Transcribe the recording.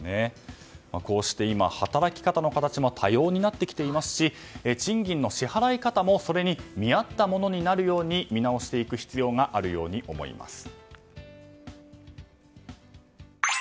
こうして、働き方の形も多様になってきていますし賃金の支払い方もそれに見合ったものになるように見直していく必要があるように思います。